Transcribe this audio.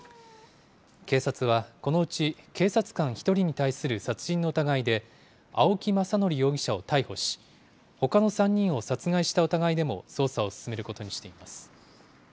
警察はこのうち警察官１人に対する殺人の疑いで、青木政憲容疑者を逮捕し、ほかの３人を殺害した疑いでも捜査を進めることにしています。